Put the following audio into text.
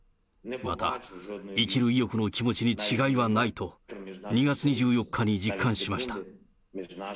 また、生きる意欲の気持ちに違いはないと、２月２４日に実感しました。